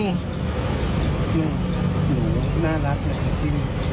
น่ารักนะครับพี่